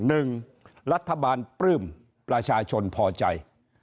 หนึ่งรัฐบาลปลื้มประชาชนพอใจ